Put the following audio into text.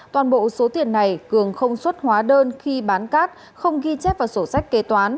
toàn bộ số tiền này cường không xuất hóa đơn khi bán cát không ghi chép vào sổ sách kế toán